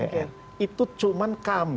itu cuma kami mau memilih sudut pandang